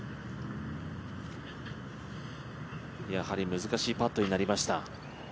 やはり難しいパットになりました。